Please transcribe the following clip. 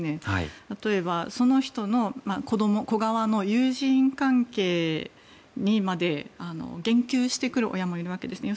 例えば、その人の子側の友人関係にまで言及してくる親もいるわけですね。